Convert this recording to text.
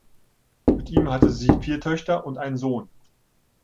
Mit ihm hatte sie vier Töchter und einen Sohn.